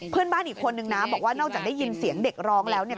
เพื่อนบ้านอีกคนนึงนะบอกว่านอกจากได้ยินเสียงเด็กร้องแล้วเนี่ย